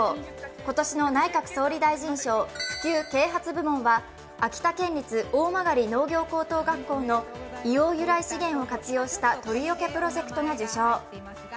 今年の内閣総理大臣賞普及・啓発部門は秋田県立大曲農業高等学校の硫黄由来資源を活用した鳥よけプロジェクトが受賞。